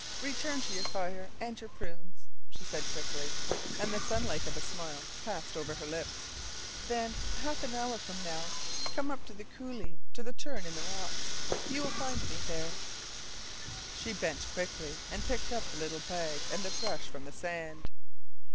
"Return to your fire and your prunes," she said quickly, and the sunlight of a smile passed over her lips. "Then, half an hour from now, come up the coulee to the turn in the rocks. You will find me there." She bent quickly and picked up the little bag and the brush from the sand.